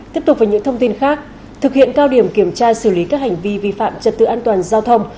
tiếp tục với những thông tin khác thực hiện cao điểm kiểm tra xử lý các hành vi vi phạm trật tự an toàn giao thông